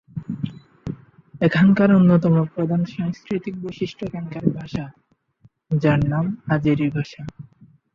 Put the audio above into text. এখানকার অন্যতম প্রধান সাংস্কৃতিক বৈশিষ্ট্য এখানকার ভাষা, যার নাম আজেরি ভাষা।